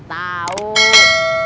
dari bawah nih